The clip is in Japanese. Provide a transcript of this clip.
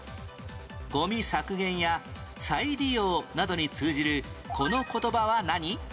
「ゴミ削減」や「再利用」などに通じるこの言葉は何？